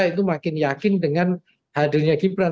itu makin yakin dengan hadirnya gibran